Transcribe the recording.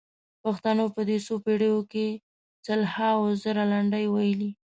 پښتنو په دې څو پېړیو کې سلهاوو زره لنډۍ ویلي.